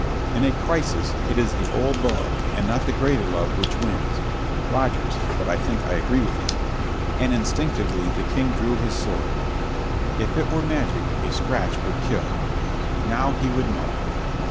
In a crisis it is the old love and not the greater love which wins (Roger's, but I think I agree with him), and instinctively the King drew his sword. If it were magic a scratch would kill. Now he would know.